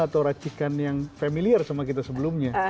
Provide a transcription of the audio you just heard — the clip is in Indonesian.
ini adalah suatu racikan yang familiar sama kita sebelumnya